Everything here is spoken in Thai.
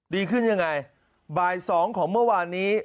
ดีขึ้นยังไงบ่าย๒ของเมื่อวานนี้